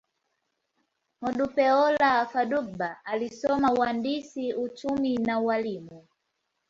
Modupeola Fadugba alisoma uhandisi, uchumi, na ualimu.